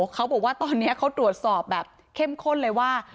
เขาบอกว่าตอนนี้เขาตรวจสอบแบบเข้มข้นเลยว่า